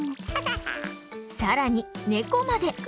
さらにねこまで！